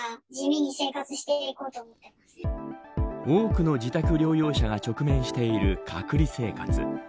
多くの自宅療養者が直面している隔離生活。